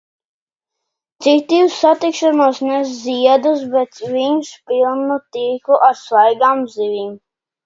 Citi uz satikšanos nes ziedus, bet viņš pilnu tīklu ar svaigām zivīm.